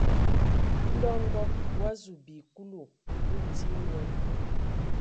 Ndɔ Nkɔg o azu bi Kulu, o tii nye.